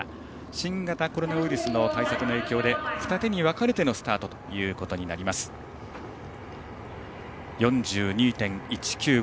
新型コロナウイルスの対策の影響で二手に分かれてのスタートです。４２．１９５